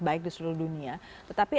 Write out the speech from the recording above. baik di seluruh dunia tetapi